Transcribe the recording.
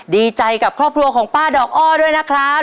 ดีใจกับครอบครัวของป้าดอกอ้อด้วยนะครับ